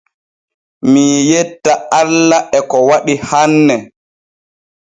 Mii yetta alla e ko waɗi hanne.